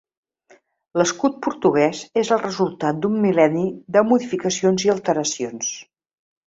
L'escut portuguès és el resultat d'un mil·lenni de modificacions i alteracions.